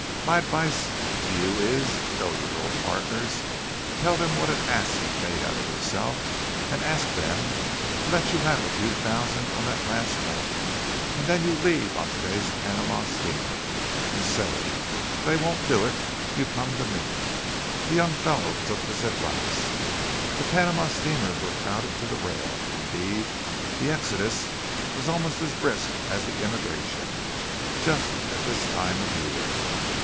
My advice to you is to go to your old partners, tell them what an ass you've made of yourself, and ask them to let you have a few thousand on that last note. And then you leave on to day's Panama steamer. And, say, if they won't do it, you come to me." The young fellow took this advice. The Panama steamers were crowded to the rail. Indeed, the exodus was almost as brisk as the immigration, just at this time of year.